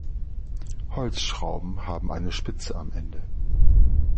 Holzschrauben haben eine Spitze am Ende.